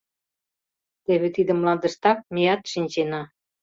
Теве тиде мландыштак меат шинчена.